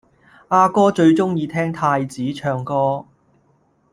阿哥最鍾意聽太子唱歌